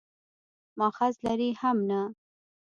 مأخذ لري هم نه.